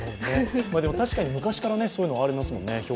確かに昔からそういうのありますからね。